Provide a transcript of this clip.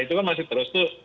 itu kan masih terus tuh